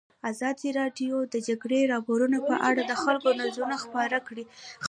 ازادي راډیو د د جګړې راپورونه په اړه د خلکو نظرونه خپاره کړي.